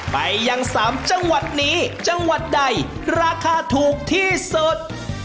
ไปยัง๓จังหวัดนี้จังหวัดใดราคาถูกที่สุด